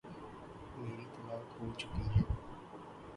میری طلاق ہو چکی ہے۔